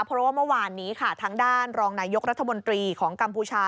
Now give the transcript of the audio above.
เพราะว่าเมื่อวานนี้ค่ะทางด้านรองนายกรัฐมนตรีของกัมพูชา